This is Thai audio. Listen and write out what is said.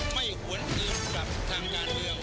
ไม่หวนอื่นกับทางงานเดียว